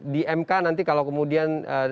di mk nanti kalau kemudian